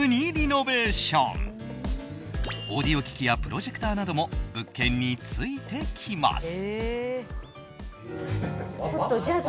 オーディオ機器やプロジェクターなども物件についてきます。